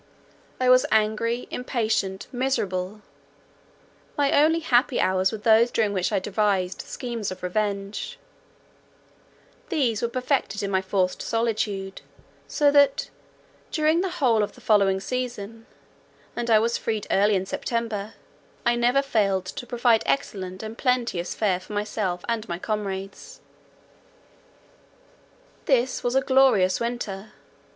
I was angry, impatient, miserable; my only happy hours were those during which I devised schemes of revenge; these were perfected in my forced solitude, so that during the whole of the following season, and I was freed early in September, I never failed to provide excellent and plenteous fare for myself and my comrades. This was a glorious winter.